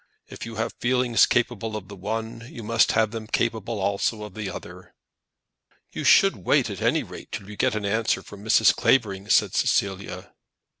If you have feelings capable of the one, you must have them capable also of the other!" "You should wait, at any rate, till you get an answer from Mrs. Clavering," said Cecilia.